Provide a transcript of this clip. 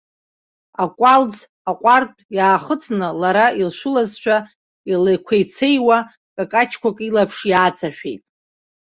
Акәалӡ аҟәардә иаахыҵны лара илшәылазшәа, еилакәеицеиуа, какаҷқәак илаԥш иааҵашәеит.